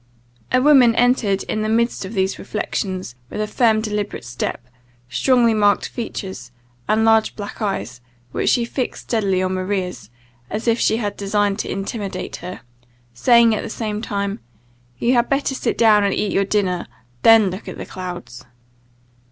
A woman entered in the midst of these reflections, with a firm, deliberate step, strongly marked features, and large black eyes, which she fixed steadily on Maria's, as if she designed to intimidate her, saying at the same time "You had better sit down and eat your dinner, than look at the clouds."